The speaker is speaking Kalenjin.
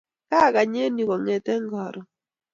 Kaagany eng' yu kong'ete karon